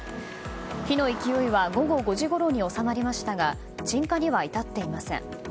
火の勢いは午後５時ごろに収まりましたが鎮火には至っていません。